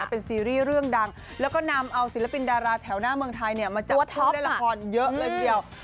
เป็นซีรีส์เรื่องดังแล้วก็นำเอาศิลปินดาราแถวหน้าเมืองไทยมาจัดผู้เล่นละครเยอะเลยทีเดียว